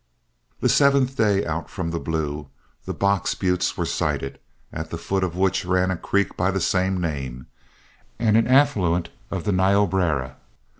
The seventh day out from the Blue, the Box Buttes were sighted, at the foot of which ran a creek by the same name, and an affluent of the Niobrara.